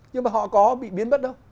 nhưng mà họ có bị biến bất đâu